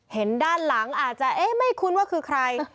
เห็นด้านหลังอาจจะเอ๊ะไม่คุ้นว่าคือใคร